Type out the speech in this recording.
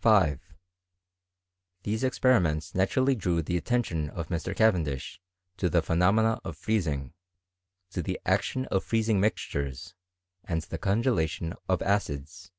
5. These experiments naturally drew the attention of Mr. Cavendish to the phenomena of freezing, to the action of freezing mixtures, and the congelation of acids.